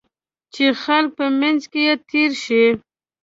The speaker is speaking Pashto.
چې خلک په منځ کې تېر شي.